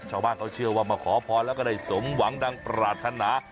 ชาวบ้านเขาเชื่อว่ามาขอพรแล้วก็ได้สมหวังดังปรารถนา